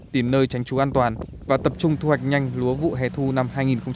tìm nơi tránh trú an toàn và tập trung thu hoạch nhanh lúa vụ hè thu năm hai nghìn hai mươi